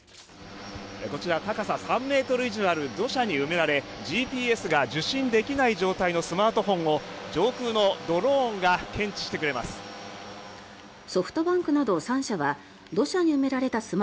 こちら、高さ３ｍ以上ある土砂に埋められＧＰＳが受信できない状態のスマートフォンを上空のドローンが検知してくれます。